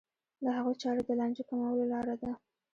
د هغوی چاره د لانجو کمولو لاره ده.